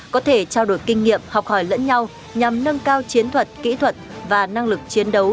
có thể trao đổi kinh nghiệm học hỏi lẫn nhau nhằm nâng cao chiến thuật kỹ thuật và năng lực chiến đấu